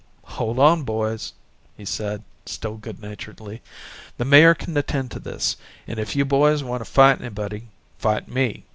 "Hold on, boys," he said, still good naturedly. "The mayor can attend to this. If you boys want to fight anybody, fight me.